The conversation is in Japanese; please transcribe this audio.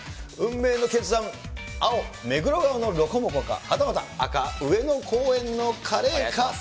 運命の決断、青、目黒川のロコモコか、はたまた赤、上野公園のカレーか。